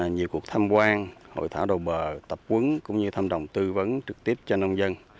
nhiều cuộc tham quan hội thảo đầu bờ tập quấn cũng như thăm đồng tư vấn trực tiếp cho nông dân